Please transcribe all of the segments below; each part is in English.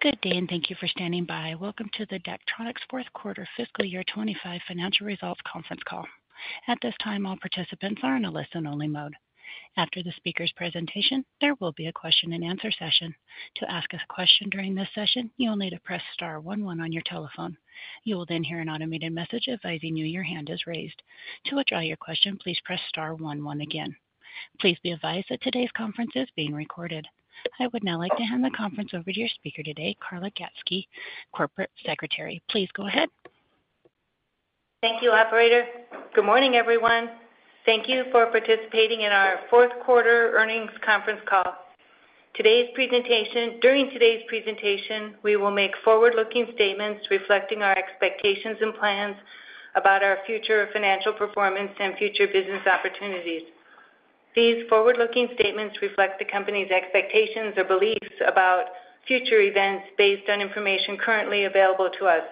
Good day, and thank you for standing by. Welcome to the Daktronics Fourth Quarter Fiscal Year 2025 Financial Results Conference Call. At this time, all participants are in a listen-only mode. After the speaker's presentation, there will be a Q&A session. To ask a question during this session, you will need to press star one one on your telephone. You will then hear an automated message advising you your hand is raised. To withdraw your question, please press star one one again. Please be advised that today's conference is being recorded. I would now like to hand the conference over to your speaker today, Carla Gatzke, Corporate Secretary. Please go ahead. Thank you, Operator. Good morning, everyone. Thank you for participating in our Fourth Quarter Earnings Conference Call. During today's presentation, we will make forward-looking statements reflecting our expectations and plans about our future financial performance and future business opportunities. These forward-looking statements reflect the company's expectations or beliefs about future events based on information currently available to us.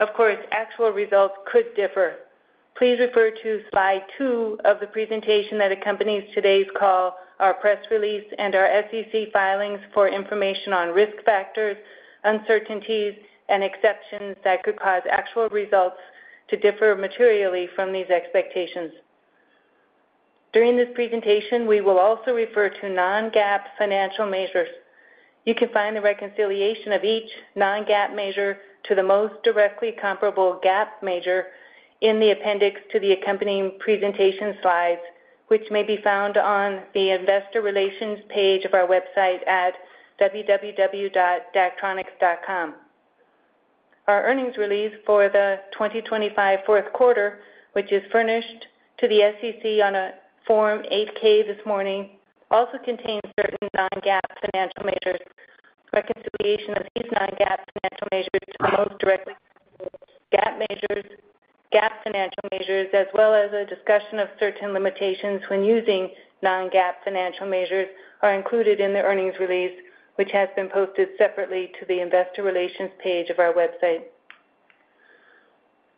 Of course, actual results could differ. Please refer to slide two of the presentation that accompanies today's call, our press release, and our SEC filings for information on risk factors, uncertainties, and exceptions that could cause actual results to differ materially from these expectations. During this presentation, we will also refer to non-GAAP financial measures. You can find the reconciliation of each non-GAAP measure to the most directly comparable GAAP measure in the appendix to the accompanying presentation slides, which may be found on the Investor Relations page of our website at www.daktronics.com. Our earnings release for the 2025 fourth quarter, which is furnished to the SEC on a Form 8-K this morning, also contains certain non-GAAP financial measures. Reconciliation of these non-GAAP financial measures to the most directly comparable GAAP financial measures, as well as a discussion of certain limitations when using non-GAAP financial measures, are included in the earnings release, which has been posted separately to the Investor Relations page of our website.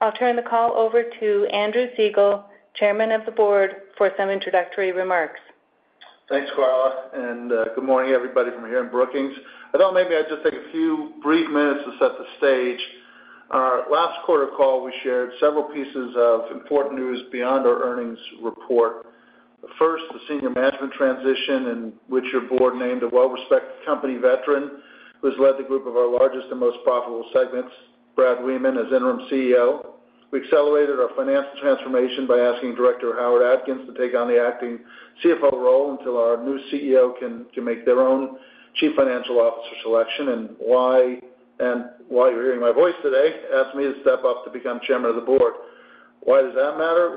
I'll turn the call over to Andrew Siegel, Chairman of the Board, for some introductory remarks. Thanks, Carla. Good morning, everybody, from here in Brookings. If allowed by me, I'd just take a few brief minutes to set the stage. On our last quarter call, we shared several pieces of important news beyond our earnings report. First, the senior management transition in which your board named a well-respected company veteran who has led the group of our largest and most profitable segments, Brad Wiemann, as Interim CEO. We accelerated our financial transformation by asking Director Howard Atkins to take on the acting CFO role until our new CEO can make their own Chief Financial Officer selection. Why you're hearing my voice today asked me to step up to become Chairman of the Board. Why does that matter?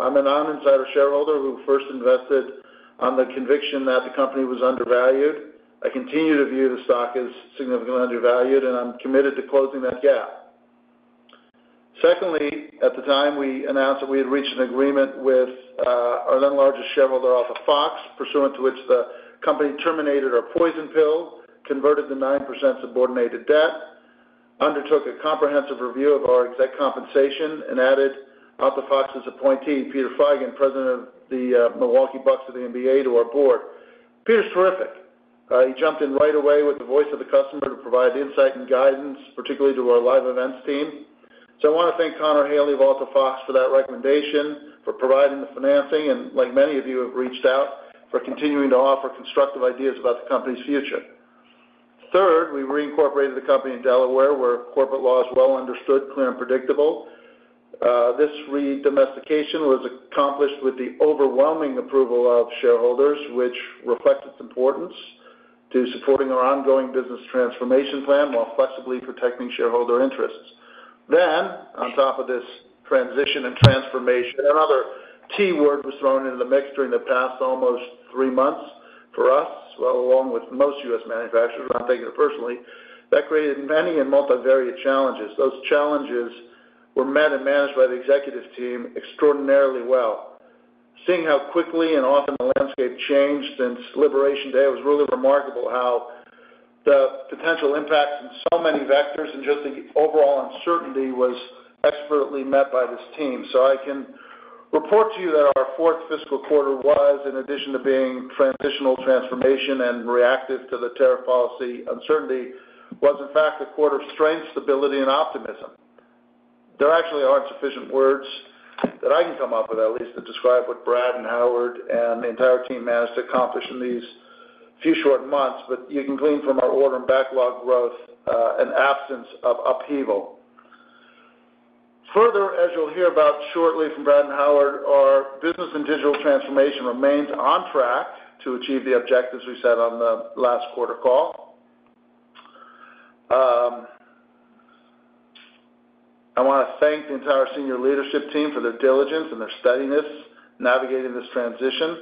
I'm a non-insider shareholder who first invested on the conviction that the company was undervalued. I continue to view the stock as significantly undervalued, and I'm committed to closing that gap. Secondly, at the time, we announced that we had reached an agreement with our then-largest shareholder, Alta Fox, pursuant to which the company terminated our poison pill, converted the 9% subordinated debt, undertook a comprehensive review of our exec compensation, and added Alta Fox's appointee, Peter Feigin, President of the Milwaukee Bucks of the NBA, to our board. Peter's terrific. He jumped in right away with the voice of the customer to provide insight and guidance, particularly to our live events team. I want to thank Connor Haley of Alta Fox for that recommendation, for providing the financing, and like many of you have reached out, for continuing to offer constructive ideas about the company's future. Third, we reincorporated the company in Delaware where corporate law is well understood, clear, and predictable. This redomestication was accomplished with the overwhelming approval of shareholders, which reflects its importance to supporting our ongoing business transformation plan while flexibly protecting shareholder interests. On top of this transition and transformation, another key word was thrown into the mix during the past almost three months for us, along with most U.S. manufacturers, but I'm taking it personally. That created many and multivariate challenges. Those challenges were met and managed by the executive team extraordinarily well. Seeing how quickly and often the landscape changed since Liberation Day was really remarkable how the potential impacts in so many vectors and just the overall uncertainty was expertly met by this team. I can report to you that our fourth fiscal quarter was, in addition to being transitional, transformation, and reactive to the tariff policy uncertainty, in fact a quarter of strength, stability, and optimism. There actually are not sufficient words that I can come up with, at least, to describe what Brad and Howard and the entire team managed to accomplish in these few short months, but you can glean from our order and backlog growth an absence of upheaval. Further, as you will hear about shortly from Brad and Howard, our business and digital transformation remains on track to achieve the objectives we set on the last quarter call. I want to thank the entire senior leadership team for their diligence and their steadiness navigating this transition.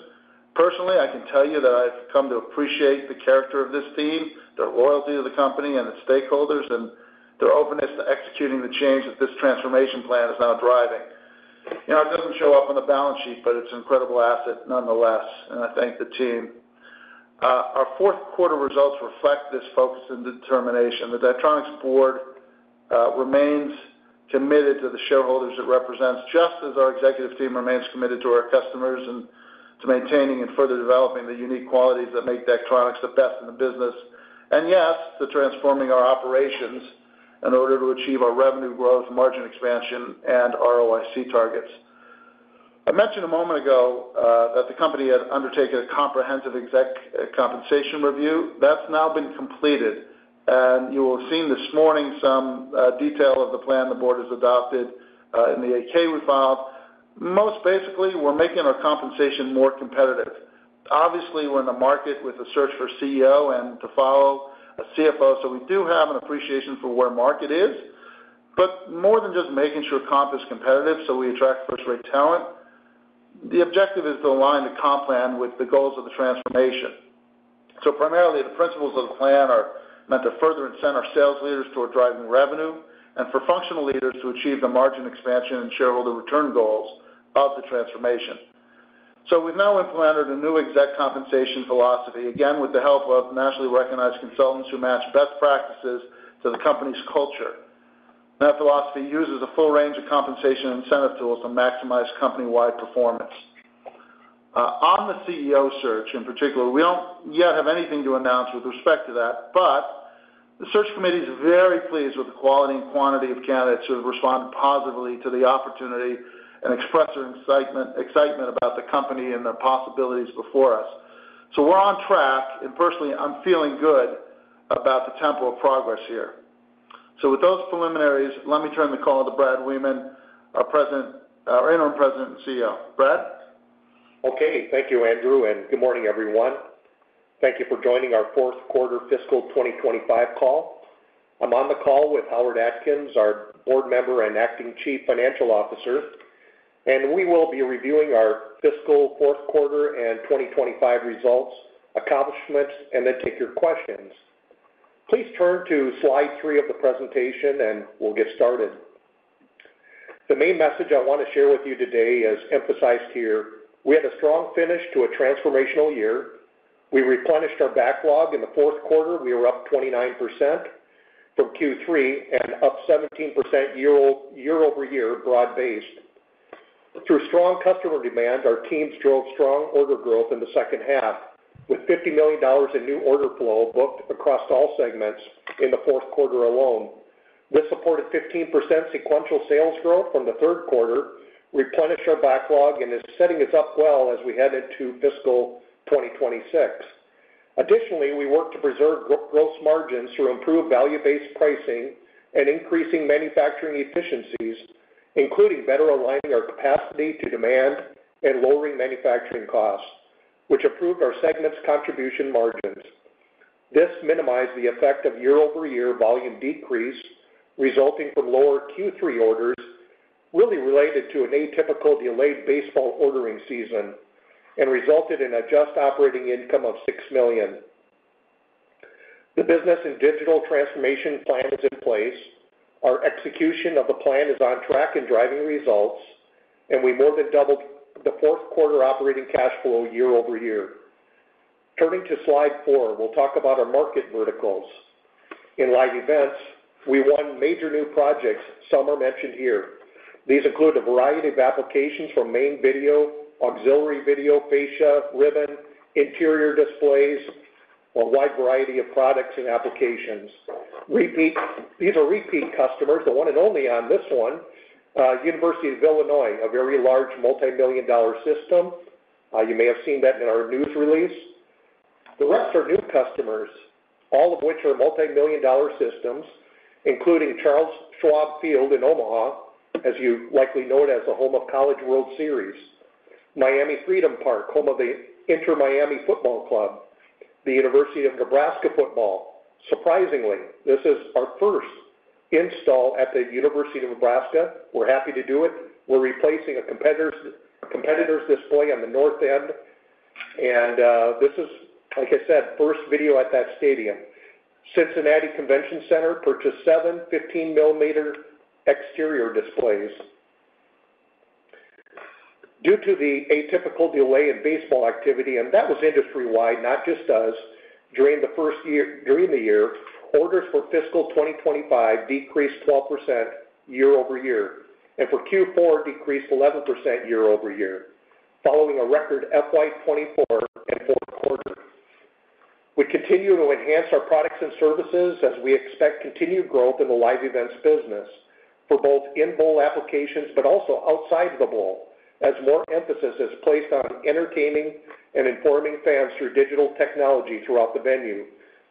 Personally, I can tell you that I have come to appreciate the character of this team, their loyalty to the company and its stakeholders, and their openness to executing the change that this transformation plan is now driving. It does not show up on the balance sheet, but it is an incredible asset nonetheless, and I thank the team. Our fourth quarter results reflect this focus and determination. The Daktronics Board remains committed to the shareholders it represents, just as our executive team remains committed to our customers and to maintaining and further developing the unique qualities that make Daktronics the best in the business, and yes, to transforming our operations in order to achieve our revenue growth, margin expansion, and ROIC targets. I mentioned a moment ago that the company had undertaken a comprehensive exec compensation review. That is now been completed, and you will have seen this morning some detail of the plan the Board has adopted and the 8-K we filed. Most basically, we are making our compensation more competitive. Obviously, we are in a market with a search for CEO and to follow a CFO, so we do have an appreciation for where market is. More than just making sure comp is competitive so we attract first-rate talent, the objective is to align the comp plan with the goals of the transformation. Primarily, the principles of the plan are meant to further and send our sales leaders toward driving revenue and for functional leaders to achieve the margin expansion and shareholder return goals of the transformation. We've now implemented a new exec compensation philosophy, again with the help of nationally recognized consultants who match best practices to the company's culture. That philosophy uses a full range of compensation incentive tools to maximize company-wide performance. On the CEO search, in particular, we do not yet have anything to announce with respect to that, but the search committee is very pleased with the quality and quantity of candidates who have responded positively to the opportunity and expressed their excitement about the company and the possibilities before us. We are on track, and personally, I am feeling good about the tempo of progress here. With those preliminaries, let me turn the call to Brad Wiemann, our Interim President and CEO. Brad? Okay. Thank you, Andrew, and good morning, everyone. Thank you for joining our Fourth Quarter Fiscal 2025 call. I'm on the call with Howard Atkins, our board member and Acting Chief Financial Officer, and we will be reviewing our fiscal fourth quarter and 2025 results, accomplishments, and then take your questions. Please turn to slide three of the presentation, and we'll get started. The main message I want to share with you today is emphasized here. We had a strong finish to a transformational year. We replenished our backlog. In the fourth quarter, we were up 29% from Q3 and up 17% year-over-year, broad-based. Through strong customer demand, our teams drove strong order growth in the second half, with $50 million in new order flow booked across all segments in the fourth quarter alone. This supported 15% sequential sales growth from the third quarter, replenished our backlog, and is setting us up well as we head into fiscal 2026. Additionally, we worked to preserve gross margins through improved value-based pricing and increasing manufacturing efficiencies, including better aligning our capacity to demand and lowering manufacturing costs, which improved our segment's contribution margins. This minimized the effect of year-over-year volume decrease resulting from lower Q3 orders, really related to an atypical delayed baseball ordering season, and resulted in a just operating income of $6 million. The business and digital transformation plan is in place. Our execution of the plan is on track and driving results, and we more than doubled the fourth quarter operating cash flow year over year. Turning to slide four, we'll talk about our market verticals. In live events, we won major new projects, some are mentioned here. These include a variety of applications from main video, auxiliary video, fascia, ribbon, interior displays, a wide variety of products and applications. These are repeat customers, the one and only on this one, University of Illinois, a very large multi-million dollar system. You may have seen that in our news release. The rest are new customers, all of which are multi-million dollar systems, including Charles Schwab Field in Omaha, as you likely know it as the home of College World Series, Miami Freedom Park, home of the Inter Miami football club, the University of Nebraska football. Surprisingly, this is our first install at the University of Nebraska. We're happy to do it. We're replacing a competitor's display on the north end, and this is, like I said, first video at that stadium. Cincinnati Convention Center purchased seven 15-millimeter exterior displays. Due to the atypical delay in baseball activity, and that was industry-wide, not just us, during the year, orders for fiscal 2025 decreased 12% year-over-year, and for Q4, decreased 11% year-over-year, following a record FY 2024 and fourth quarter. We continue to enhance our products and services as we expect continued growth in the live events business for both in-bowl applications, but also outside the bowl, as more emphasis is placed on entertaining and informing fans through digital technology throughout the venue,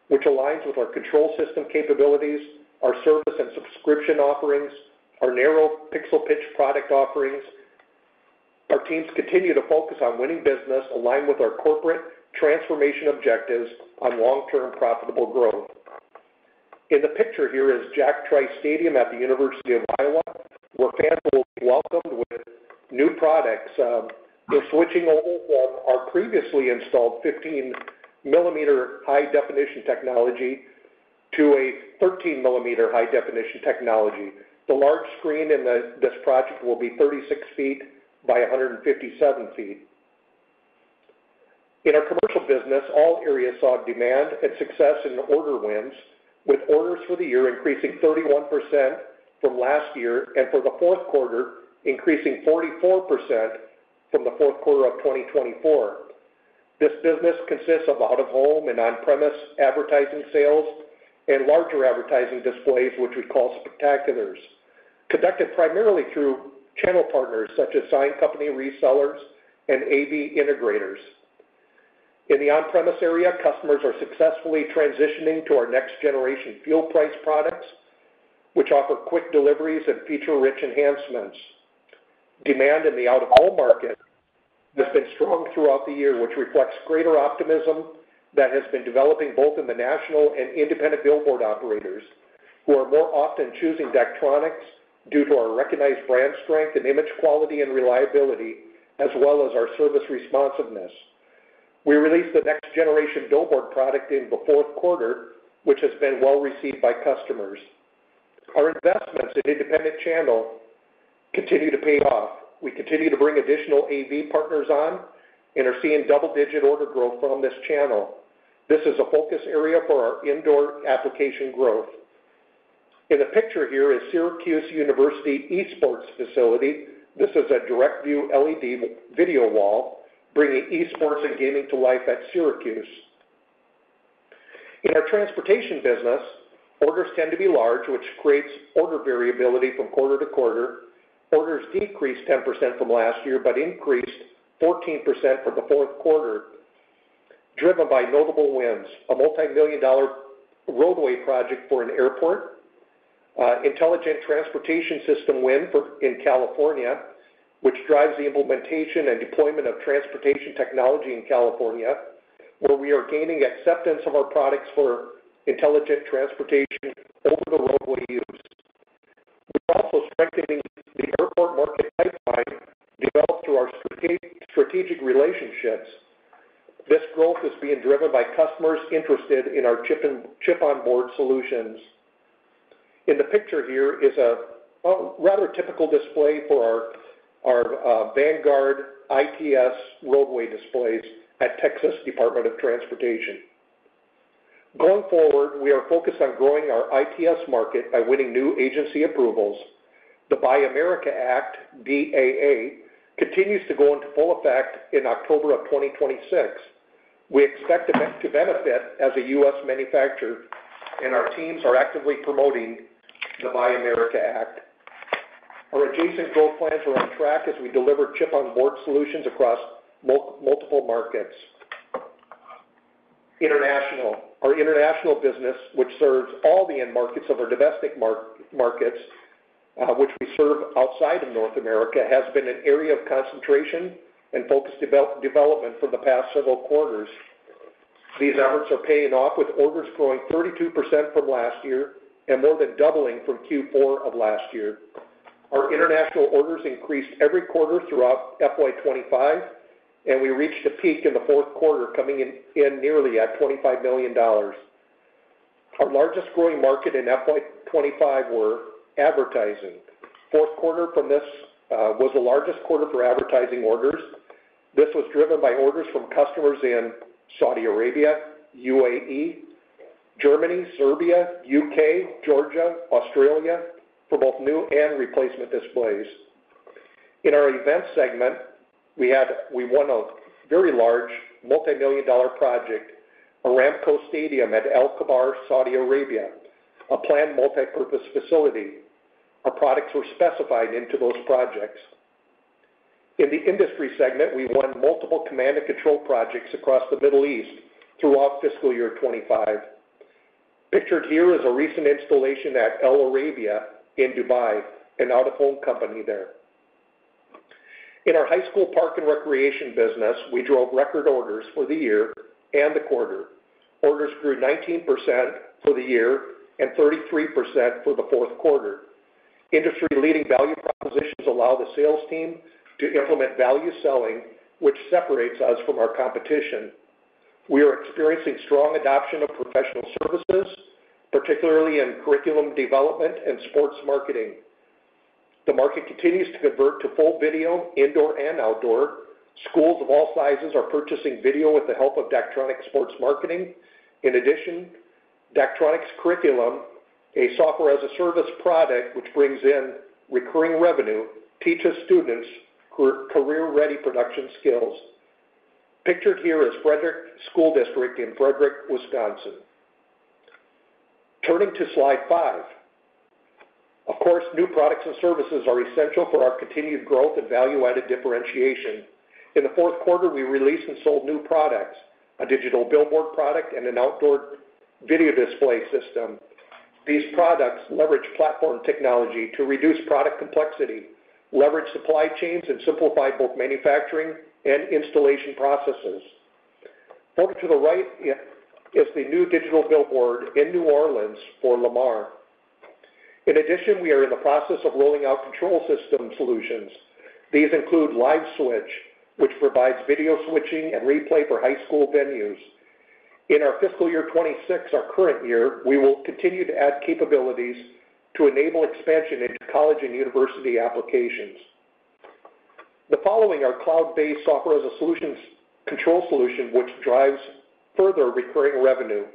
which aligns with our control system capabilities, our service and subscription offerings, our narrow pixel pitch product offerings. Our teams continue to focus on winning business, aligned with our corporate transformation objectives on long-term profitable growth. In the picture here is Jack Trice Stadium at the University of Iowa, where fans will be welcomed with new products. They're switching over from our previously installed 15-millimeter high-definition technology to a 13-millimeter high-definition technology. The large screen in this project will be 36 ft by 157 ft. In our commercial business, all areas saw demand and success and order wins, with orders for the year increasing 31% from last year and for the fourth quarter increasing 44% from the fourth quarter of 2024. This business consists of out-of-home and on-premise advertising sales and larger advertising displays, which we call spectaculars, conducted primarily through channel partners such as sign company, resellers, and AV integrators. In the on-premise area, customers are successfully transitioning to our next-generation fuel price products, which offer quick deliveries and feature-rich enhancements. Demand in the out-of-home market has been strong throughout the year, which reflects greater optimism that has been developing both in the national and independent billboard operators, who are more often choosing Daktronics due to our recognized brand strength and image quality and reliability, as well as our service responsiveness. We released the next-generation billboard product in the fourth quarter, which has been well received by customers. Our investments in independent channel continue to pay off. We continue to bring additional AV partners on and are seeing double-digit order growth from this channel. This is a focus area for our indoor application growth. In the picture here is Syracuse University Esports facility. This is a direct-view LED video wall, bringing Esports and gaming to life at Syracuse. In our transportation business, orders tend to be large, which creates order variability from quarter to quarter. Orders decreased 10% from last year but increased 14% for the fourth quarter, driven by notable wins: a multi-million dollar roadway project for an airport, intelligent transportation system win in California, which drives the implementation and deployment of transportation technology in California, where we are gaining acceptance of our products for intelligent transportation over-the-roadway use. We are also strengthening the airport market pipeline developed through our strategic relationships. This growth is being driven by customers interested in our chip-on-board solutions. In the picture here is a rather typical display for our Vanguard ITS roadway displays at Texas Department of Transportation. Going forward, we are focused on growing our ITS market by winning new agency approvals. The Buy America Act, BAA, continues to go into full effect in October of 2026. We expect to benefit as a U.S. manufacturer, and our teams are actively promoting the Buy America Act. Our adjacent growth plans are on track as we deliver chip-on-board solutions across multiple markets. Our international business, which serves all the end markets of our domestic markets, which we serve outside of North America, has been an area of concentration and focused development for the past several quarters. These efforts are paying off, with orders growing 32% from last year and more than doubling from Q4 of last year. Our international orders increased every quarter throughout FY 2025, and we reached a peak in the fourth quarter, coming in nearly at $25 million. Our largest growing market in FY 2025 was advertising. Fourth quarter from this was the largest quarter for advertising orders. This was driven by orders from customers in Saudi Arabia, UAE, Germany, Serbia, U.K., Georgia, Australia for both new and replacement displays. In our events segment, we won a very large multi-million dollar project, Aramco Stadium at Al Khobar, Saudi Arabia, a planned multi-purpose facility. Our products were specified into those projects. In the industry segment, we won multiple command and control projects across the Middle East throughout fiscal year 2025. Pictured here is a recent installation at Al Arabia in Dubai, an out-of-home company there. In our high school park and recreation business, we drove record orders for the year and the quarter. Orders grew 19% for the year and 33% for the fourth quarter. Industry-leading value propositions allow the sales team to implement value selling, which separates us from our competition. We are experiencing strong adoption of professional services, particularly in curriculum development and sports marketing. The market continues to convert to full video, indoor and outdoor. Schools of all sizes are purchasing video with the help of Daktronics Sports Marketing. In addition, Daktronics Curriculum, a software-as-a-service product which brings in recurring revenue, teaches students career-ready production skills. Pictured here is Frederic School District in Frederic, Wisconsin. Turning to slide five. Of course, new products and services are essential for our continued growth and value-added differentiation. In the fourth quarter, we released and sold new products: a digital billboard product and an outdoor video display system. These products leverage platform technology to reduce product complexity, leverage supply chains, and simplify both manufacturing and installation processes. Further to the right is the new digital billboard in New Orleans for Lamar. In addition, we are in the process of rolling out control system solutions. These include LiveSwitch, which provides video switching and replay for high school venues. In our fiscal year 2026, our current year, we will continue to add capabilities to enable expansion into college and university applications. The following are cloud-based software as a control solution, which drives further recurring revenue: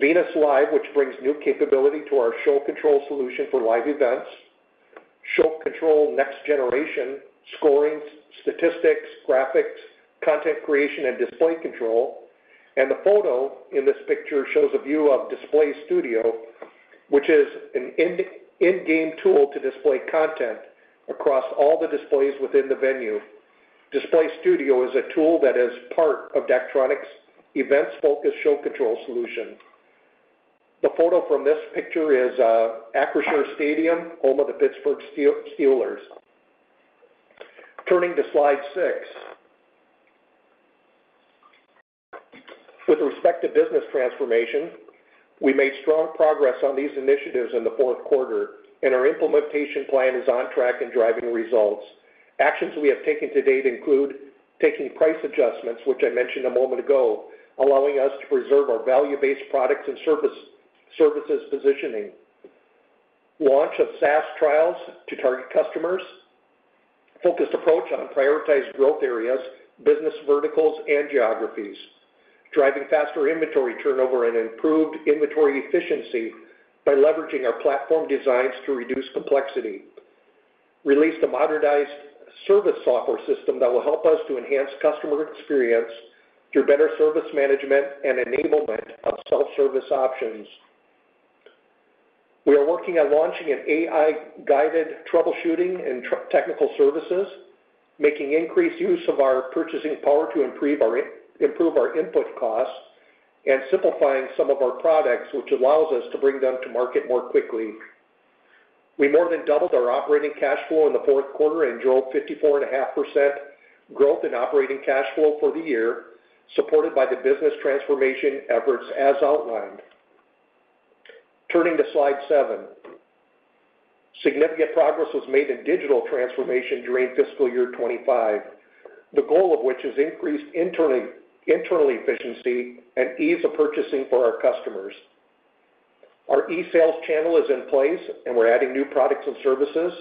Venus Live, which brings new capability to our show control solution for live events; Show Control Next Generation: scoring, statistics, graphics, content creation, and display control; and the photo in this picture shows a view of Display Studio, which is an in-game tool to display content across all the displays within the venue. Display Studio is a tool that is part of Daktronics' events-focused show control solution. The photo from this picture is Acrisure Stadium, home of the Pittsburgh Steelers. Turning to slide six. With respect to business transformation, we made strong progress on these initiatives in the fourth quarter, and our implementation plan is on track and driving results. Actions we have taken to date include taking price adjustments, which I mentioned a moment ago, allowing us to preserve our value-based products and services positioning, launch of SaaS trials to target customers, focused approach on prioritized growth areas, business verticals, and geographies, driving faster inventory turnover and improved inventory efficiency by leveraging our platform designs to reduce complexity, released a modernized service software system that will help us to enhance customer experience through better service management and enablement of self-service options. We are working on launching an AI-guided troubleshooting and technical services, making increased use of our purchasing power to improve our input costs and simplifying some of our products, which allows us to bring them to market more quickly. We more than doubled our operating cash flow in the fourth quarter and drove 54.5% growth in operating cash flow for the year, supported by the business transformation efforts as outlined. Turning to slide seven. Significant progress was made in digital transformation during fiscal year 2025, the goal of which is increased internal efficiency and ease of purchasing for our customers. Our E-sales channel is in place, and we're adding new products and services.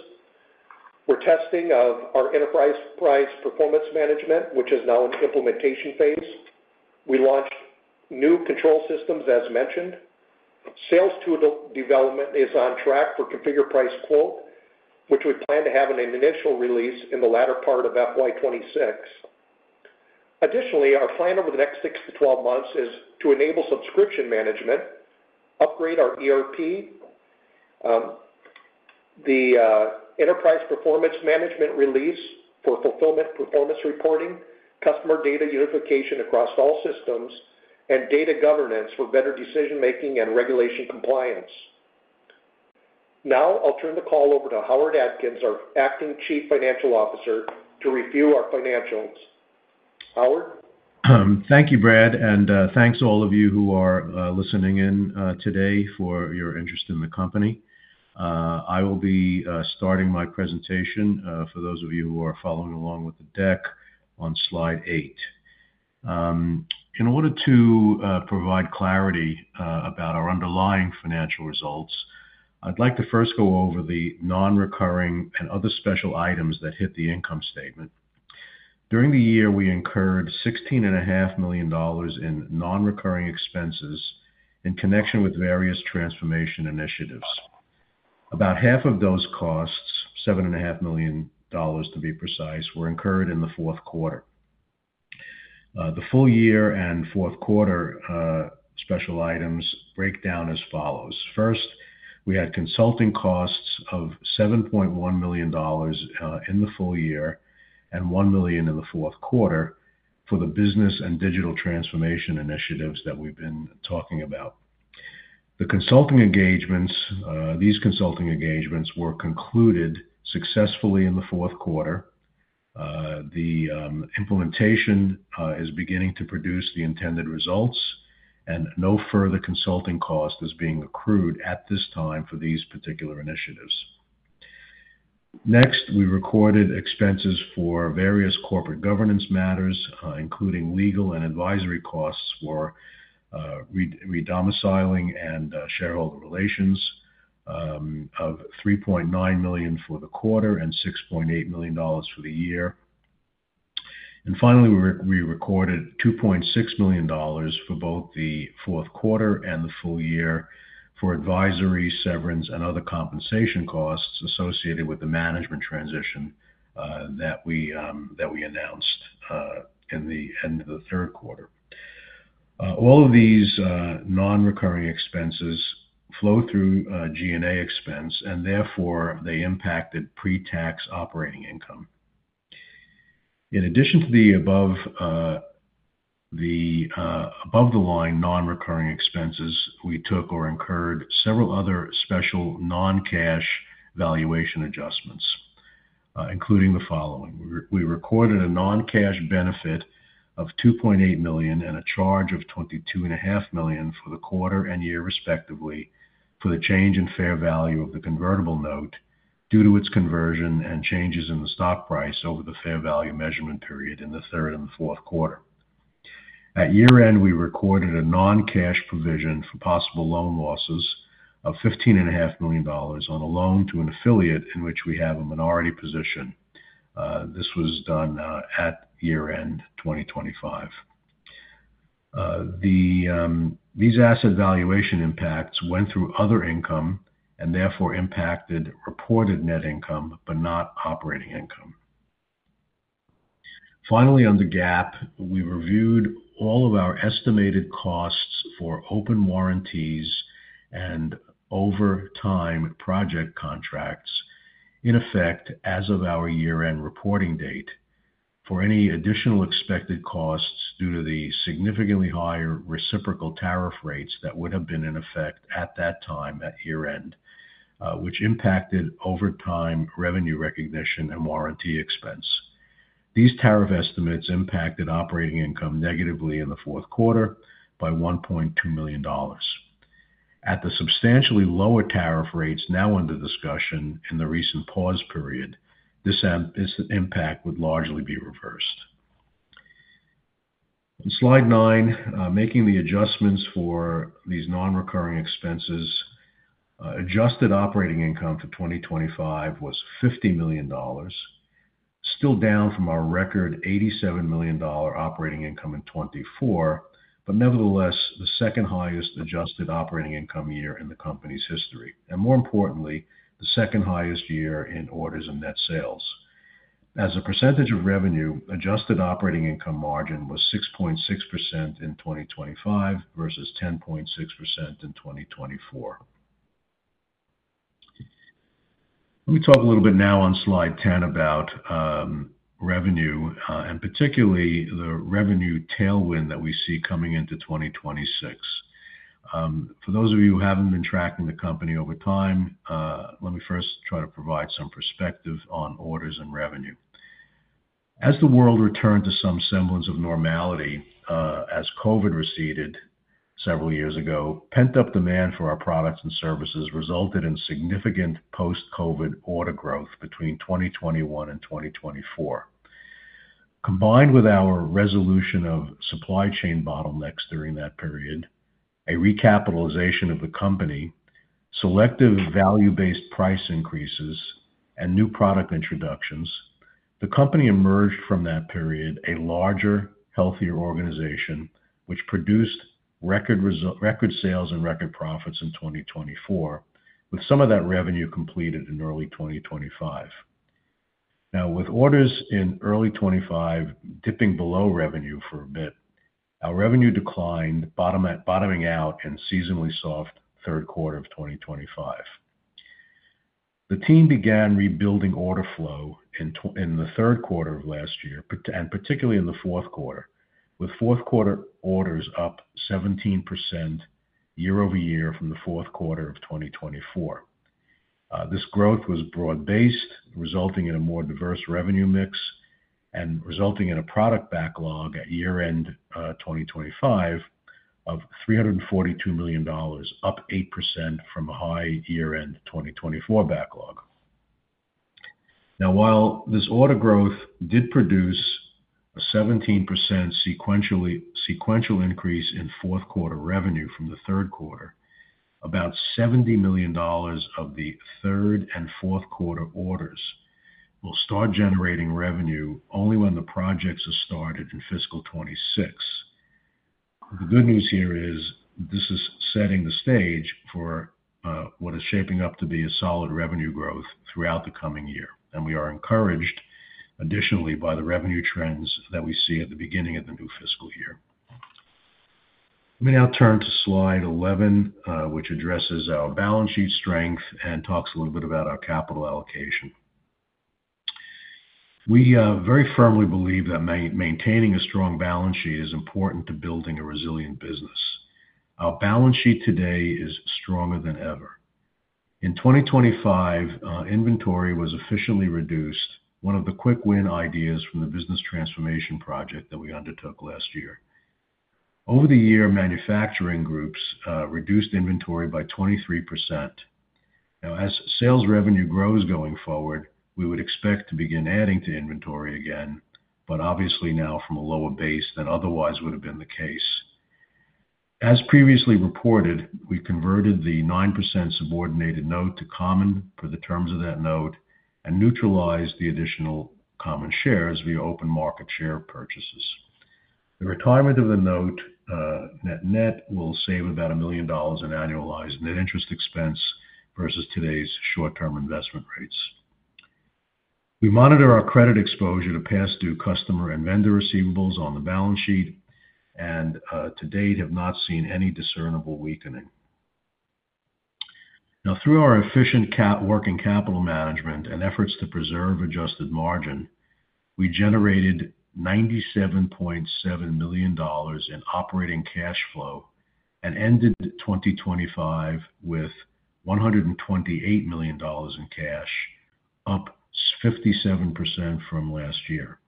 We're testing our enterprise-price performance management, which is now in implementation phase. We launched new control systems, as mentioned. Sales tool development is on track for configured price quote, which we plan to have an initial release in the latter part of FY 2026. Additionally, our plan over the next six to 12 months is to enable subscription management, upgrade our ERP, the enterprise performance management release for fulfillment performance reporting, customer data unification across all systems, and data governance for better decision-making and regulation compliance. Now, I'll turn the call over to Howard Atkins, our Acting Chief Financial Officer, to review our financials. Howard. Thank you, Brad, and thanks to all of you who are listening in today for your interest in the company. I will be starting my presentation for those of you who are following along with the deck on slide eight. In order to provide clarity about our underlying financial results, I'd like to first go over the non-recurring and other special items that hit the income statement. During the year, we incurred $16.5 million in non-recurring expenses in connection with various transformation initiatives. About half of those costs, $7.5 million, to be precise, were incurred in the fourth quarter. The full year and fourth quarter special items break down as follows. First, we had consulting costs of $7.1 million in the full year and $1 million in the fourth quarter for the business and digital transformation initiatives that we've been talking about. The consulting engagements, these consulting engagements were concluded successfully in the fourth quarter. The implementation is beginning to produce the intended results, and no further consulting cost is being accrued at this time for these particular initiatives. Next, we recorded expenses for various corporate governance matters, including legal and advisory costs for redomiciling and shareholder relations, of $3.9 million for the quarter and $6.8 million for the year. Finally, we recorded $2.6 million for both the fourth quarter and the full year for advisory, severance, and other compensation costs associated with the management transition that we announced in the end of the third quarter. All of these non-recurring expenses flow through G&A expense, and therefore, they impacted pre-tax operating income. In addition to the above-the-line non-recurring expenses, we took or incurred several other special non-cash valuation adjustments, including the following. We recorded a non-cash benefit of $2.8 million and a charge of $22.5 million for the quarter and year, respectively, for the change in fair value of the convertible note due to its conversion and changes in the stock price over the fair value measurement period in the third and the fourth quarter. At year-end, we recorded a non-cash provision for possible loan losses of $15.5 million on a loan to an affiliate in which we have a minority position. This was done at year-end 2025. These asset valuation impacts went through other income and therefore impacted reported net income but not operating income. Finally, on the GAAP, we reviewed all of our estimated costs for open warranties and over-time project contracts in effect as of our year-end reporting date for any additional expected costs due to the significantly higher reciprocal tariff rates that would have been in effect at that time at year-end, which impacted over-time revenue recognition and warranty expense. These tariff estimates impacted operating income negatively in the fourth quarter by $1.2 million. At the substantially lower tariff rates now under discussion in the recent pause period, this impact would largely be reversed. On slide nine, making the adjustments for these non-recurring expenses, adjusted operating income for 2025 was $50 million, still down from our record $87 million operating income in 2024, but nevertheless, the second highest adjusted operating income year in the company's history. More importantly, the second highest year in orders and net sales. As a percentage of revenue, adjusted operating income margin was 6.6% in 2025 versus 10.6% in 2024. Let me talk a little bit now on slide 10 about revenue, and particularly the revenue tailwind that we see coming into 2026. For those of you who haven't been tracking the company over time, let me first try to provide some perspective on orders and revenue. As the world returned to some semblance of normality, as COVID receded several years ago, pent-up demand for our products and services resulted in significant post-COVID order growth between 2021 and 2024. Combined with our resolution of supply chain bottlenecks during that period, a recapitalization of the company, selective value-based price increases, and new product introductions, the company emerged from that period a larger, healthier organization, which produced record sales and record profits in 2024, with some of that revenue completed in early 2025. Now, with orders in early 2025 dipping below revenue for a bit, our revenue declined, bottoming out in seasonally soft third quarter of 2025. The team began rebuilding order flow in the third quarter of last year and particularly in the fourth quarter, with fourth quarter orders up 17% year-over-year from the fourth quarter of 2024. This growth was broad-based, resulting in a more diverse revenue mix and resulting in a product backlog at year-end 2025 of $342 million, up 8% from a high year-end 2024 backlog. Now, while this order growth did produce a 17% sequential increase in fourth quarter revenue from the third quarter, about $70 million of the third and fourth quarter orders will start generating revenue only when the projects are started in fiscal 2026. The good news here is this is setting the stage for what is shaping up to be a solid revenue growth throughout the coming year, and we are encouraged additionally by the revenue trends that we see at the beginning of the new fiscal year. Let me now turn to slide 11, which addresses our balance sheet strength and talks a little bit about our capital allocation. We very firmly believe that maintaining a strong balance sheet is important to building a resilient business. Our balance sheet today is stronger than ever. In 2025, inventory was efficiently reduced, one of the quick-win ideas from the business transformation project that we undertook last year. Over the year, manufacturing groups reduced inventory by 23%. Now, as sales revenue grows going forward, we would expect to begin adding to inventory again, but obviously now from a lower base than otherwise would have been the case. As previously reported, we converted the 9% subordinated note to common for the terms of that note and neutralized the additional common shares via open market share purchases. The retirement of the note net-net will save about $1 million in annualized net interest expense versus today's short-term investment rates. We monitor our credit exposure to past due customer and vendor receivables on the balance sheet and to date have not seen any discernible weakening. Now, through our efficient working capital management and efforts to preserve adjusted margin, we generated $97.7 million in operating cash flow and ended 2025 with $128 million in cash, up 57% from last year.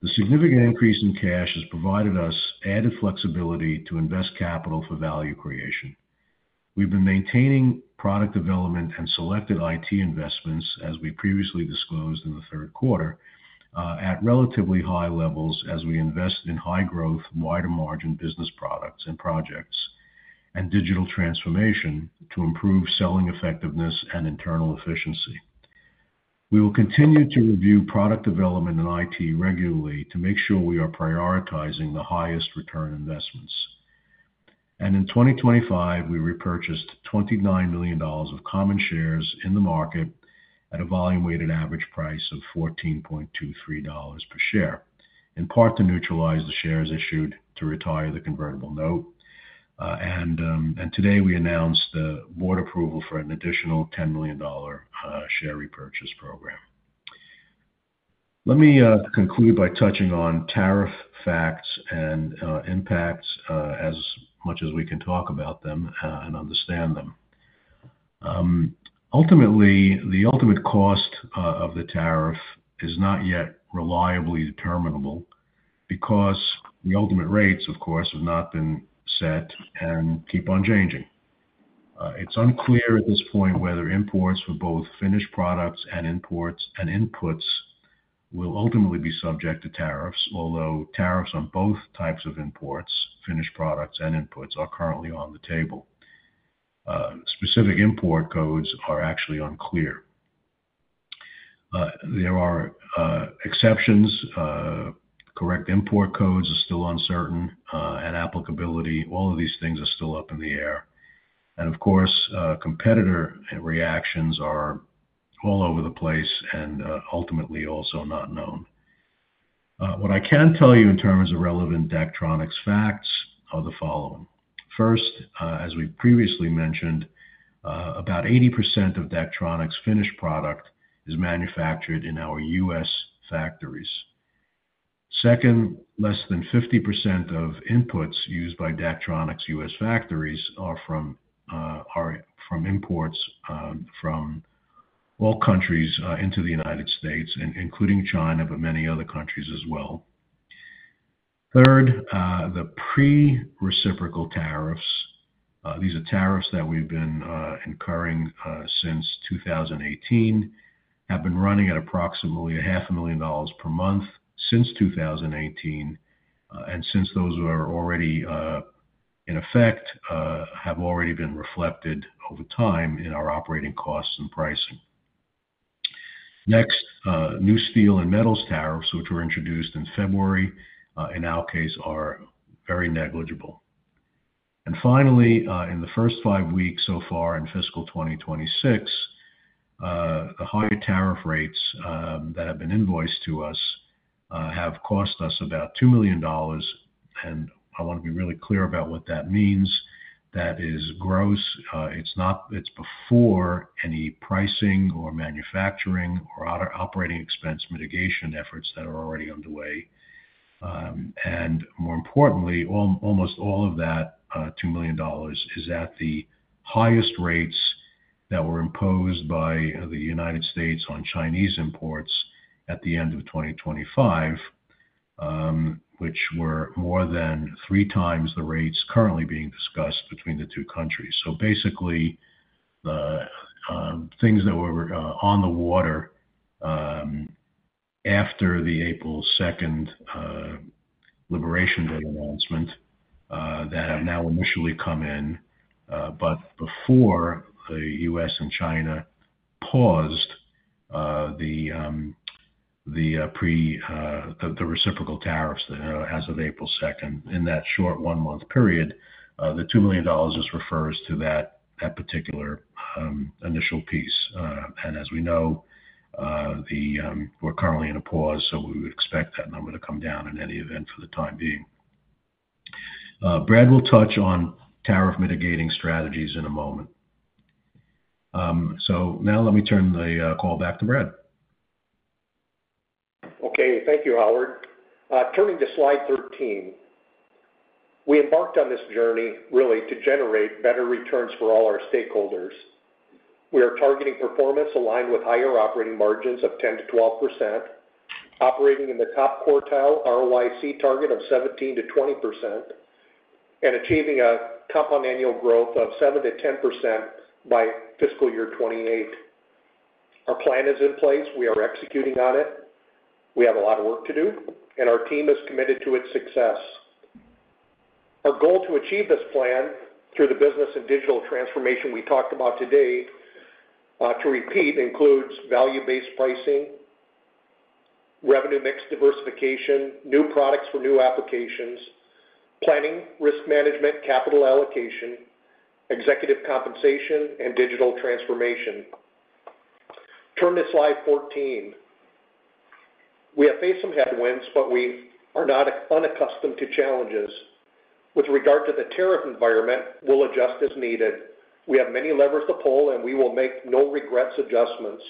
The significant increase in cash has provided us added flexibility to invest capital for value creation. We've been maintaining product development and selected IT investments, as we previously disclosed in the third quarter, at relatively high levels as we invest in high-growth, wider-margin business products and projects and digital transformation to improve selling effectiveness and internal efficiency. We will continue to review product development and IT regularly to make sure we are prioritizing the highest return investments. In 2025, we repurchased $29 million of common shares in the market at a volume-weighted average price of $14.23 per share, in part to neutralize the shares issued to retire the convertible note. Today, we announced the board approval for an additional $10 million share repurchase program. Let me conclude by touching on tariff facts and impacts as much as we can talk about them and understand them. Ultimately, the ultimate cost of the tariff is not yet reliably determinable because the ultimate rates, of course, have not been set and keep on changing. It is unclear at this point whether imports for both finished products and inputs will ultimately be subject to tariffs, although tariffs on both types of imports, finished products, and inputs are currently on the table. Specific import codes are actually unclear. There are exceptions. Correct import codes are still uncertain, and applicability, all of these things are still up in the air. Competitor reactions are all over the place and ultimately also not known. What I can tell you in terms of relevant Daktronics facts are the following. First, as we previously mentioned, about 80% of Daktronics' finished product is manufactured in our U.S. factories. Second, less than 50% of inputs used by Daktronics' U.S. factories are from imports from all countries into the United States, including China but many other countries as well. Third, the pre-reciprocal tariffs, these are tariffs that we've been incurring since 2018, have been running at approximately $500,000 per month since 2018, and since those are already in effect, have already been reflected over time in our operating costs and pricing. Next, new steel and metals tariffs, which were introduced in February, in our case, are very negligible. Finally, in the first five weeks so far in fiscal 2026, the high tariff rates that have been invoiced to us have cost us about $2 million. I want to be really clear about what that means. That is gross. It's before any pricing or manufacturing or other operating expense mitigation efforts that are already underway. More importantly, almost all of that $2 million is at the highest rates that were imposed by the United States on Chinese imports at the end of 2025, which were more than three times the rates currently being discussed between the two countries. Basically, the things that were on the water after the April 2nd Liberation Day announcement that have now initially come in, but before the U.S. and China paused the reciprocal tariffs as of April 2nd in that short one-month period, the $2 million just refers to that particular initial piece. As we know, we're currently in a pause, so we would expect that number to come down in any event for the time being. Brad will touch on tariff mitigating strategies in a moment. Now let me turn the call back to Brad. Okay. Thank you, Howard. Turning to slide 13, we embarked on this journey really to generate better returns for all our stakeholders. We are targeting performance aligned with higher operating margins of 10%-12%, operating in the top quartile ROIC target of 17%-20%, and achieving a compound annual growth of 7%-10% by fiscal year 2028. Our plan is in place. We are executing on it. We have a lot of work to do, and our team is committed to its success. Our goal to achieve this plan through the business and digital transformation we talked about today, to repeat, includes value-based pricing, revenue mix diversification, new products for new applications, planning, risk management, capital allocation, executive compensation, and digital transformation. Turn to slide 14. We have faced some headwinds, but we are not unaccustomed to challenges. With regard to the tariff environment, we'll adjust as needed. We have many levers to pull, and we will make no regrets adjustments.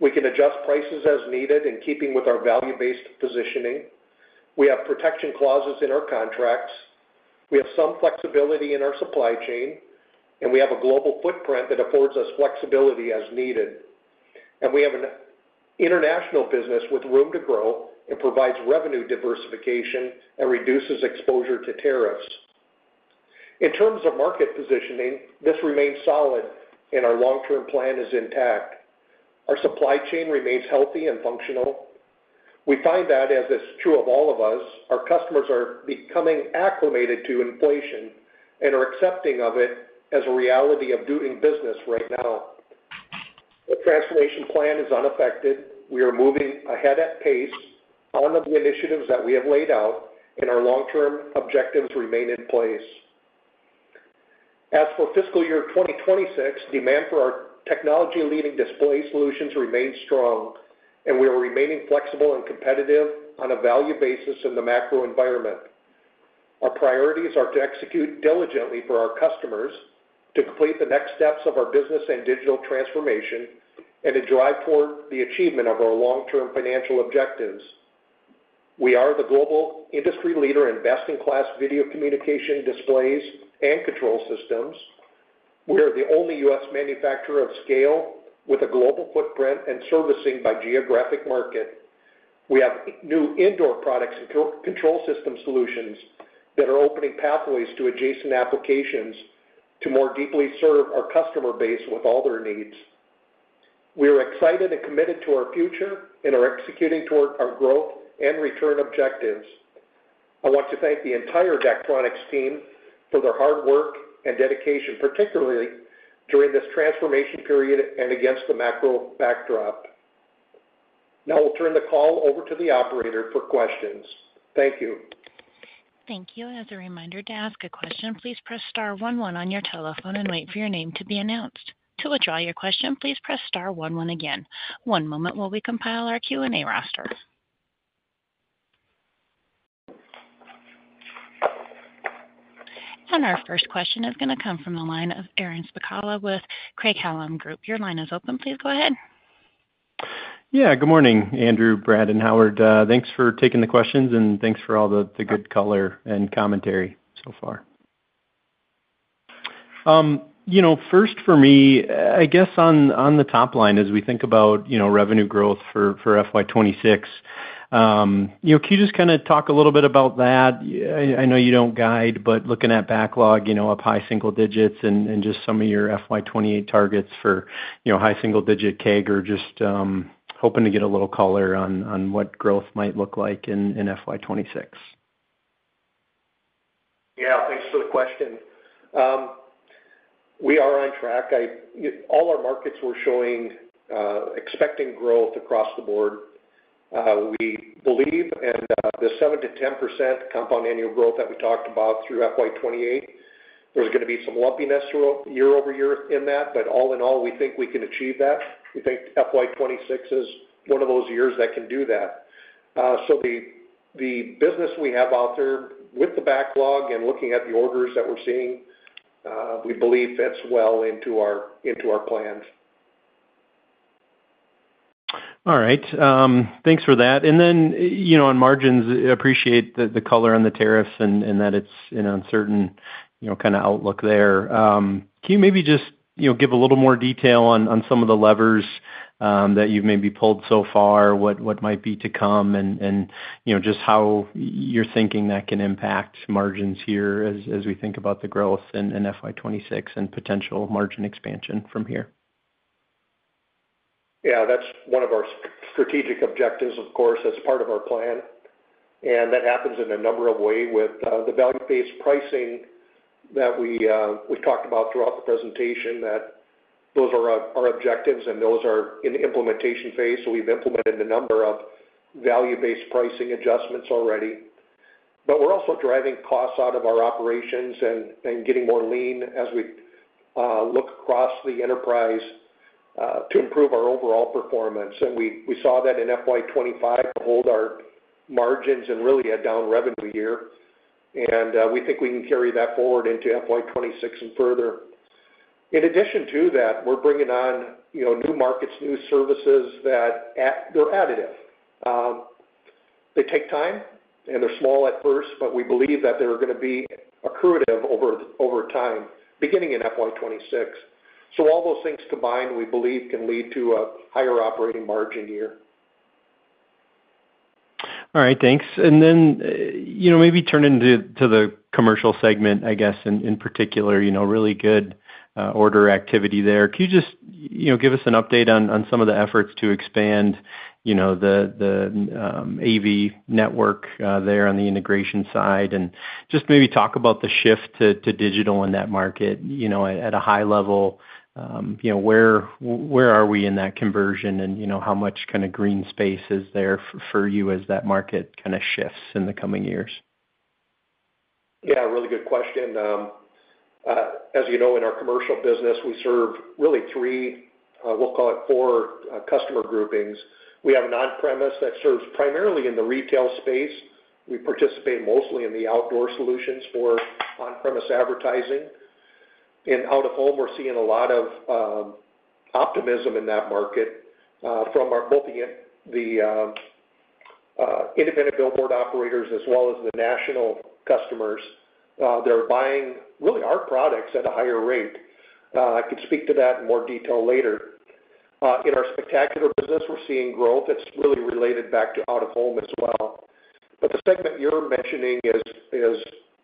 We can adjust prices as needed in keeping with our value-based positioning. We have protection clauses in our contracts. We have some flexibility in our supply chain, and we have a global footprint that affords us flexibility as needed. We have an international business with room to grow and provides revenue diversification and reduces exposure to tariffs. In terms of market positioning, this remains solid, and our long-term plan is intact. Our supply chain remains healthy and functional. We find that, as is true of all of us, our customers are becoming acclimated to inflation and are accepting of it as a reality of doing business right now. The transformation plan is unaffected. We are moving ahead at pace on the initiatives that we have laid out, and our long-term objectives remain in place. As for fiscal year 2026, demand for our technology-leading display solutions remains strong, and we are remaining flexible and competitive on a value basis in the macro environment. Our priorities are to execute diligently for our customers, to complete the next steps of our business and digital transformation, and to drive toward the achievement of our long-term financial objectives. We are the global industry leader in best-in-class video communication displays and control systems. We are the only U.S. manufacturer of scale with a global footprint and servicing by geographic market. We have new indoor products and control system solutions that are opening pathways to adjacent applications to more deeply serve our customer base with all their needs. We are excited and committed to our future and are executing toward our growth and return objectives. I want to thank the entire Daktronics team for their hard work and dedication, particularly during this transformation period and against the macro backdrop. Now we'll turn the call over to the operator for questions. Thank you. As a reminder, to ask a question, please press star one one on your telephone and wait for your name to be announced. To withdraw your question, please press star one one again. One moment while we compile our Q&A roster. Our first question is going to come from the line of Aaron Spychalla with Craig-Hallum Group. Your line is open. Please go ahead. Yeah. Good morning, Andrew, Brad, and Howard. Thanks for taking the questions, and thanks for all the good color and commentary so far. First, for me, I guess on the top line, as we think about revenue growth for FY 2026, can you just kind of talk a little bit about that? I know you do not guide, but looking at backlog of high single digits and just some of your FY 2028 targets for high single digit CAGR, just hoping to get a little color on what growth might look like in FY 2026. Yeah. Thanks for the question. We are on track. All our markets, we are showing, expecting growth across the board. We believe in the 7%-10% compound annual growth that we talked about through FY 2028. There is going to be some lumpiness year-over-year in that, but all in all, we think we can achieve that. We think FY 2026 is one of those years that can do that. The business we have out there with the backlog and looking at the orders that we're seeing, we believe fits well into our plans. All right. Thanks for that. On margins, appreciate the color on the tariffs and that it's an uncertain kind of outlook there. Can you maybe just give a little more detail on some of the levers that you've maybe pulled so far, what might be to come, and just how you're thinking that can impact margins here as we think about the growth in FY 2026 and potential margin expansion from here? Yeah. That's one of our strategic objectives, of course, as part of our plan. That happens in a number of ways with the value-based pricing that we talked about throughout the presentation, that those are our objectives, and those are in the implementation phase. We have implemented a number of value-based pricing adjustments already. We are also driving costs out of our operations and getting more lean as we look across the enterprise to improve our overall performance. We saw that in FY 2025 to hold our margins in really a down revenue year. We think we can carry that forward into FY 2026 and further. In addition to that, we are bringing on new markets and new services that are additive. They take time, and they are small at first, but we believe that they are going to be accretive over time, beginning in FY 2026. All those things combined, we believe, can lead to a higher operating margin here. All right. Thanks. Maybe turning to the commercial segment, I guess, in particular, really good order activity there. Can you just give us an update on some of the efforts to expand the AV network there on the integration side and just maybe talk about the shift to digital in that market at a high level? Where are we in that conversion, and how much kind of green space is there for you as that market kind of shifts in the coming years? Yeah. Really good question. As you know, in our commercial business, we serve really three, we'll call it four customer groupings. We have an on-premise that serves primarily in the retail space. We participate mostly in the outdoor solutions for on-premise advertising. Out of home, we're seeing a lot of optimism in that market from both the independent billboard operators as well as the national customers. They're buying really our products at a higher rate. I can speak to that in more detail later. In our spectacular business, we're seeing growth. It's really related back to out of home as well. The segment you're mentioning is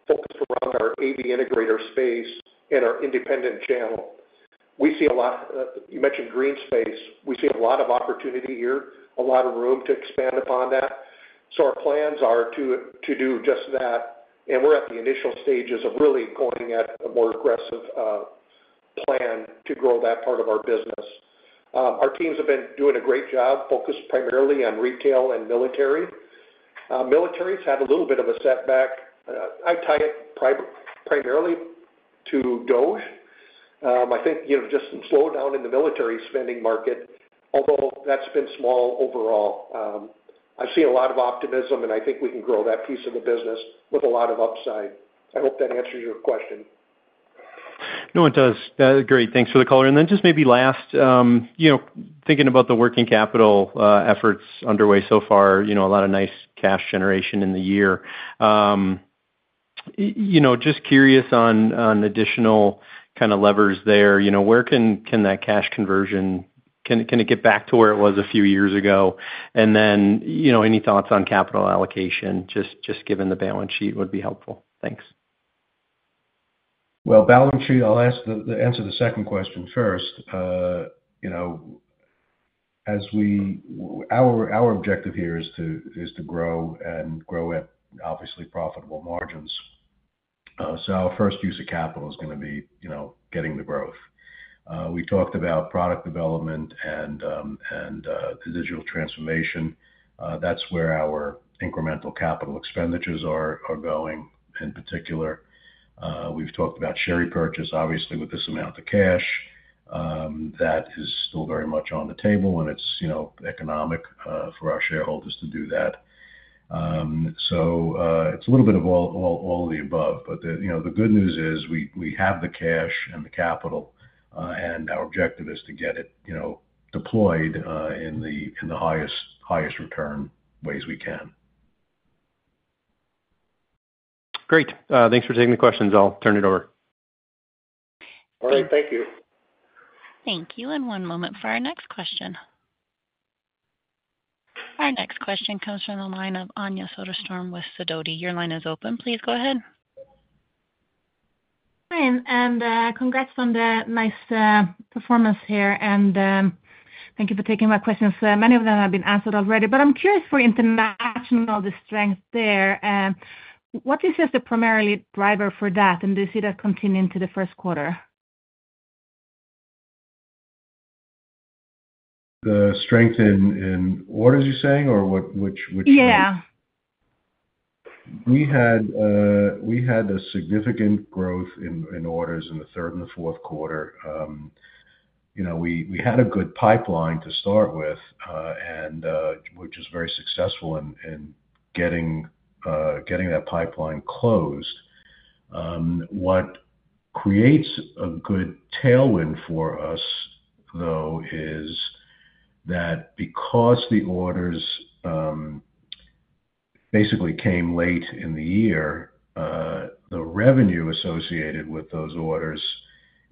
focused around our AV integrator space and our independent channel. We see a lot of—you mentioned green space. We see a lot of opportunity here, a lot of room to expand upon that. Our plans are to do just that. We're at the initial stages of really going at a more aggressive plan to grow that part of our business. Our teams have been doing a great job, focused primarily on retail and military. Military's had a little bit of a setback. I tie it primarily to DOGE. I think just some slowdown in the military spending market, although that's been small overall. I've seen a lot of optimism, and I think we can grow that piece of the business with a lot of upside. I hope that answers your question. No, it does. That's great. Thanks for the color. Just maybe last, thinking about the working capital efforts underway so far, a lot of nice cash generation in the year. Just curious on additional kind of levers there. Where can that cash conversion—can it get back to where it was a few years ago? Any thoughts on capital allocation, just given the balance sheet, would be helpful. Thanks. Balance sheet, I'll answer the second question first. Our objective here is to grow and grow at, obviously, profitable margins. Our first use of capital is going to be getting the growth. We talked about product development and the digital transformation. That's where our incremental capital expenditures are going in particular. We've talked about share repurchase, obviously, with this amount of cash. That is still very much on the table, and it's economic for our shareholders to do that. It's a little bit of all of the above. The good news is we have the cash and the capital, and our objective is to get it deployed in the highest return ways we can. Great. Thanks for taking the questions. I'll turn it over. All right. Thank you. Thank you. One moment for our next question. Our next question comes from the line of Anja Soderstrom with Sidoti. Your line is open. Please go ahead. Hi. Congrats on the nice performance here. Thank you for taking my questions. Many of them have been answered already. I'm curious for international, the strength there. What do you see as the primarily driver for that? Do you see that continuing to the first quarter? The strength in orders, you're saying, or which? Yeah. We had a significant growth in orders in the third and the fourth quarter. We had a good pipeline to start with, which was very successful in getting that pipeline closed. What creates a good tailwind for us, though, is that because the orders basically came late in the year, the revenue associated with those orders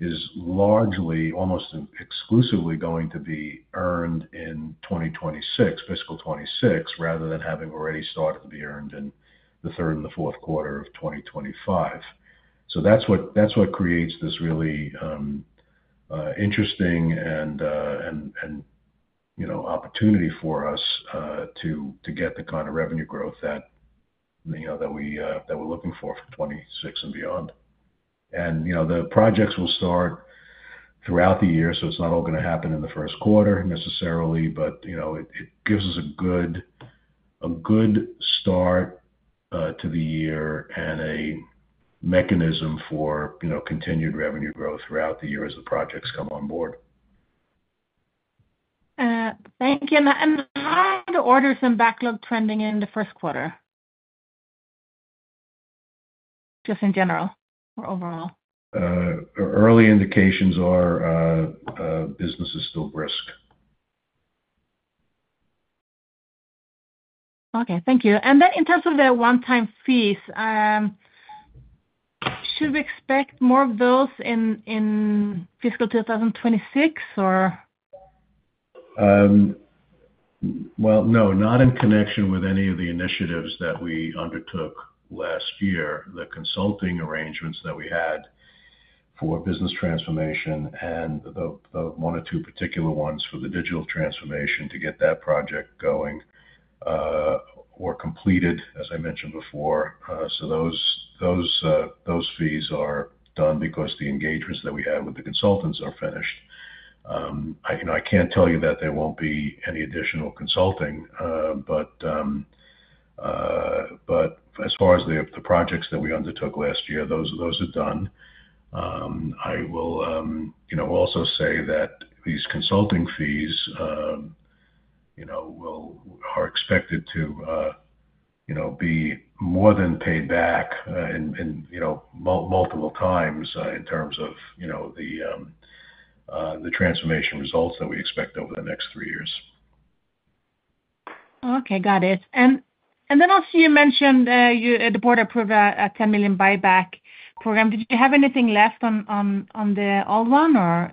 is largely, almost exclusively, going to be earned in 2026, fiscal 2026, rather than having already started to be earned in the third and the fourth quarter of 2025. That is what creates this really interesting and opportunity for us to get the kind of revenue growth that we're looking for for 2026 and beyond. The projects will start throughout the year, so it's not all going to happen in the first quarter necessarily, but it gives us a good start to the year and a mechanism for continued revenue growth throughout the year as the projects come on board. Thank you. How are the orders and backlog trending in the first quarter? Just in general or overall. Early indications are business is still brisk. Okay. Thank you. In terms of the one-time fees, should we expect more of those in fiscal 2026, or? No, not in connection with any of the initiatives that we undertook last year. The consulting arrangements that we had for business transformation and the one or two particular ones for the digital transformation to get that project going were completed, as I mentioned before. Those fees are done because the engagements that we had with the consultants are finished. I cannot tell you that there will not be any additional consulting, but as far as the projects that we undertook last year, those are done. I will also say that these consulting fees are expected to be more than paid back multiple times in terms of the transformation results that we expect over the next three years. Okay. Got it. Also, you mentioned the board approved a $10 million buyback program. Did you have anything left on the old one, or?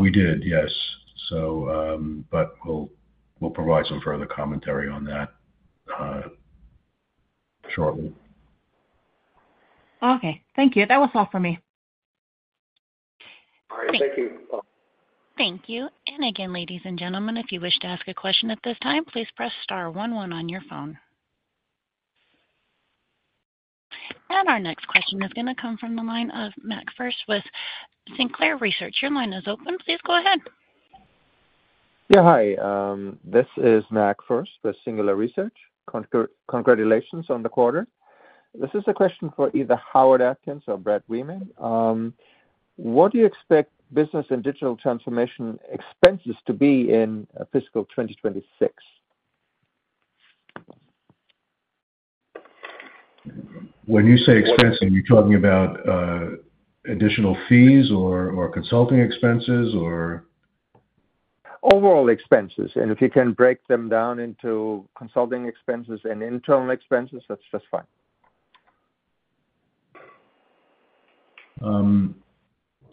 We did, yes. We will provide some further commentary on that shortly. Okay. Thank you. That was all for me. All right. Thank you. Thank you. Again, ladies and gentlemen, if you wish to ask a question at this time, please press star one one on your phone. Our next question is going to come from the line of Mac Furst with Singular Research. Your line is open. Please go ahead. Yeah. Hi. This is Mac Furst with Singular Research. Congratulations on the quarter. This is a question for either Howard Atkins or Brad Wiemann. What do you expect business and digital transformation expenses to be in fiscal 2026? When you say expenses, are you talking about additional fees or consulting expenses, or? Overall expenses. And if you can break them down into consulting expenses and internal expenses, that's just fine.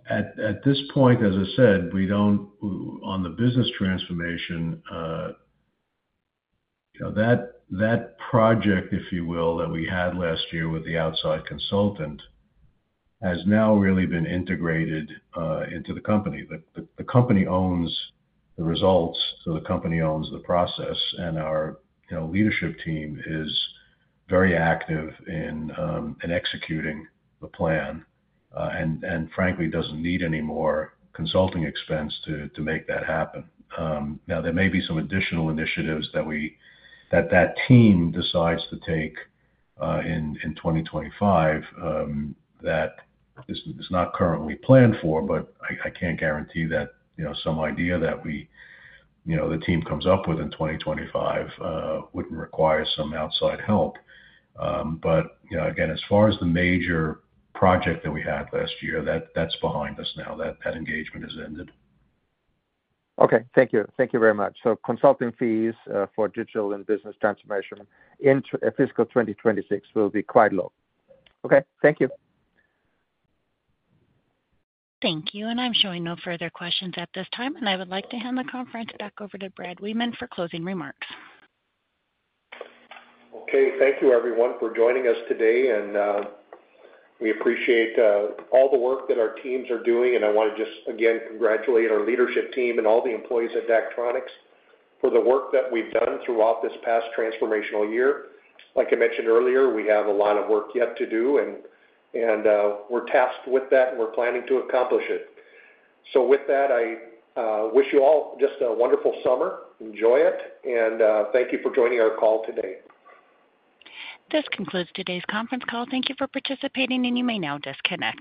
At this point, as I said, on the business transformation, that project, if you will, that we had last year with the outside consultant has now really been integrated into the company. The company owns the results, so the company owns the process. Our leadership team is very active in executing the plan and, frankly, does not need any more consulting expense to make that happen. There may be some additional initiatives that that team decides to take in 2025 that are not currently planned for, but I cannot guarantee that some idea that the team comes up with in 2025 would not require some outside help. Again, as far as the major project that we had last year, that is behind us now. That engagement has ended. Okay. Thank you. Thank you very much. Consulting fees for digital and business transformation in fiscal 2026 will be quite low. Okay. Thank you. Thank you. I am showing no further questions at this time. I would like to hand the conference back over to Brad Wiemann for closing remarks. Okay. Thank you, everyone, for joining us today. We appreciate all the work that our teams are doing. I want to just, again, congratulate our leadership team and all the employees at Daktronics for the work that we've done throughout this past transformational year. Like I mentioned earlier, we have a lot of work yet to do, and we're tasked with that, and we're planning to accomplish it. With that, I wish you all just a wonderful summer. Enjoy it. Thank you for joining our call today. This concludes today's conference call. Thank you for participating, and you may now disconnect.